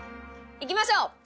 行きましょう。